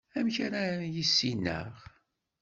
Amak ara issineɣ?